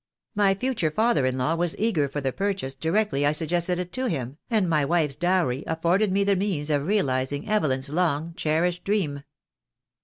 My future father in law was eager for the purchase directly I suggested it to him, and my wife's dowry afforded me the means of realizing Evelyn's long cherished dream."